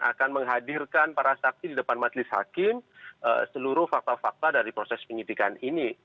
akan menghadirkan para saksi di depan majelis hakim seluruh fakta fakta dari proses penyidikan ini